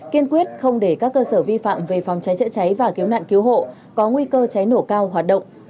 kiên quyết không để các cơ sở vi phạm về phòng cháy chữa cháy và cứu nạn cứu hộ có nguy cơ cháy nổ cao hoạt động